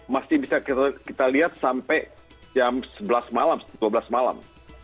masih bisa kita lihat sampai jam sebelas malam dua belas malam